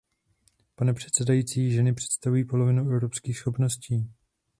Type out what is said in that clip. Pane předsedající, ženy představují polovinu evropských schopností.